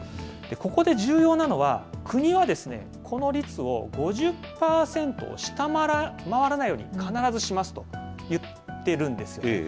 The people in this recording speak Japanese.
ここで重要なのは、国はこの率を５０％を下回らないように必ずしますと言ってるんですよ。